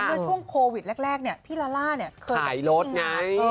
เมื่อช่วงโควิดแรกแรกเนี่ยพี่ลาล่าเคยบังไงไม่งาน